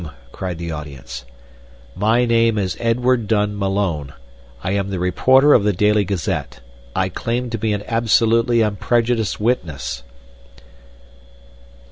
cried the audience. "My name is Edward Dunn Malone. I am the reporter of the Daily Gazette. I claim to be an absolutely unprejudiced witness."